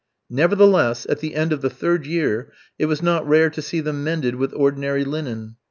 Nevertheless, at the end of the third year, it was not rare to see them mended with ordinary linen.